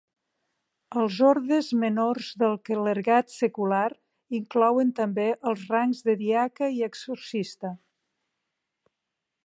Els ordes menors del clergat secular inclouen també els rangs de diaca i exorcista.